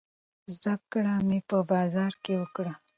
زده کړه مې په بازار کې وکړه.